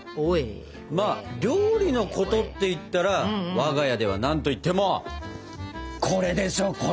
まあ料理のことっていったら我が家では何といってもこれでしょこれ！